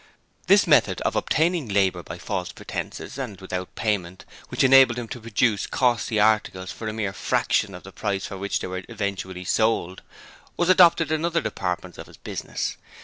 This method of obtaining labour by false pretences and without payment, which enabled him to produce costly articles for a mere fraction of the price for which they were eventually sold, was adopted in other departments of his business.